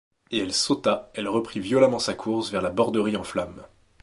Et elle sauta, elle reprit violemment sa course vers la Borderie en flammes.